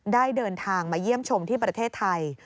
เดินทางมาเยี่ยมชมที่ประเทศไทย